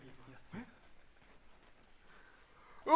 えっ！